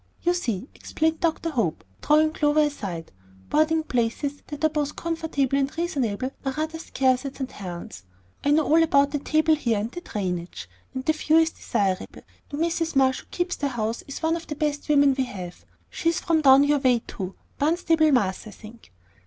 "You see," explained Dr. Hope, drawing Clover aside, "boarding places that are both comfortable and reasonable are rather scarce at St. Helen's. I know all about the table here and the drainage; and the view is desirable, and Mrs. Marsh, who keeps the house, is one of the best women we have. She's from down your way too, Barnstable, Mass., I think."